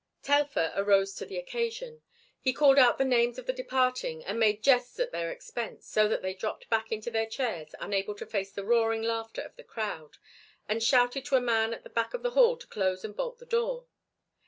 Telfer arose to the occasion. He called out the names of the departing, and made jests at their expense so that they dropped back into their chairs unable to face the roaring laughter of the crowd, and shouted to a man at the back of the hall to close and bolt the door.